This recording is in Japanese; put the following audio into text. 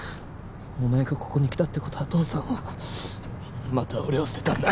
お前がここに来たって事は父さんはまた俺を捨てたんだ。